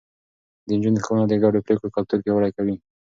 د نجونو ښوونه د ګډو پرېکړو کلتور پياوړی کوي.